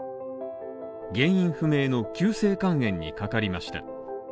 原因不明の急性肝炎にかかりました。